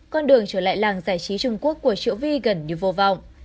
con đường trở lại làng giải trí trung quốc của triệu vi gần như vô vọng